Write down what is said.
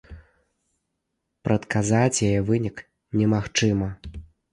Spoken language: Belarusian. Прадказаць яе вынік немагчыма.